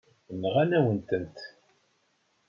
Nɣan-awen-tent.